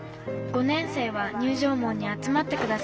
５年生は入場門に集まってください」。